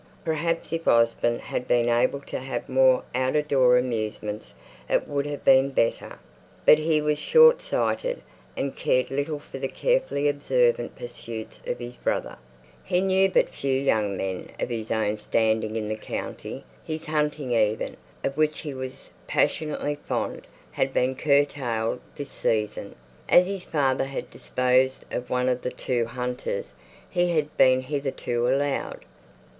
Perhaps if Osborne had been able to have more out of door amusements it would have been better; but he was short sighted, and cared little for the carefully observant pursuits of his brother; he knew but few young men of his own standing in the county; his hunting even, of which he was passionately fond, had been curtailed this season, as his father had disposed of one of the two hunters he had been hitherto allowed.